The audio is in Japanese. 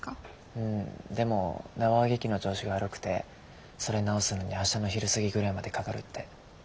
うんでも縄揚げ機の調子が悪くてそれ直すのに明日の昼過ぎぐらいまでかかるって。